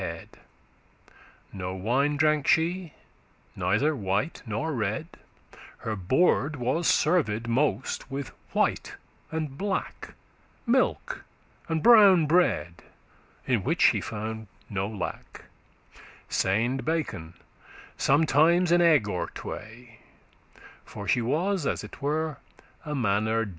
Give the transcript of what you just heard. from dancing* *hurt No wine drank she, neither white nor red: Her board was served most with white and black, Milk and brown bread, in which she found no lack, Seind* bacon, and sometimes an egg or tway; *singed For she was as it were *a manner dey.